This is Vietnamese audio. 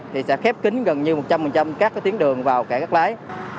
thì sẽ khép kính gần như một trăm linh các tuyến đường vào cảng cát lái